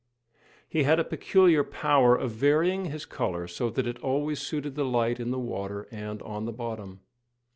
He had a peculiar power of varying his colour so that it always suited the light in the water and on the bottom.